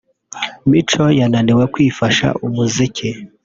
Mico yananiwe kwifasha umuziki